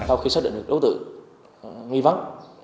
sau khi xác định được đối tượng nghi vấn